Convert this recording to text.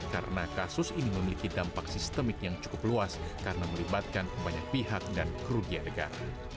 karena kasus ini memiliki dampak sistemik yang cukup luas karena melibatkan banyak pihak dan kerugian negara